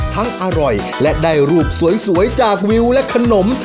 อร่อยและได้รูปสวยจากวิวและขนม